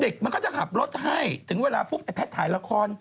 เด็กมันก็จะขับรถให้ถึงเวลาแพทย์ถ่ายละคร